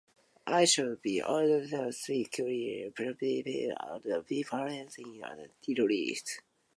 I should be able to see clear progress and differences in the drafts.